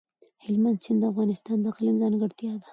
هلمند سیند د افغانستان د اقلیم ځانګړتیا ده.